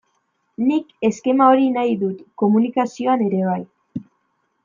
Nik eskema hori nahi dut komunikazioan ere bai.